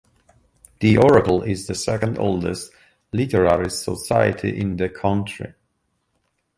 The Oracle is the second-oldest literary society in the country.